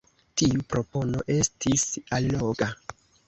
Tiu propono estis alloga.